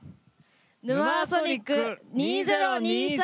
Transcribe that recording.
「ヌマーソニック２０２３」！